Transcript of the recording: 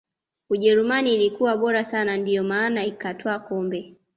ujerumani ilikuwa bora sana ndiyo maana ikatwaa kombe